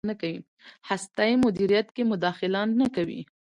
هستۍ مدیریت کې مداخله نه کوي.